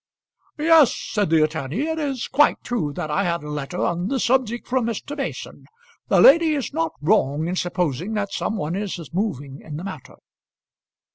"Yes," said the attorney, "it is quite true that I had a letter on the subject from Mr. Mason. The lady is not wrong in supposing that some one is moving in the matter."